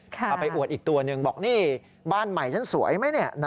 เอาไปอวดอีกตัวหนึ่งบอกนี่บ้านใหม่ฉันสวยไหม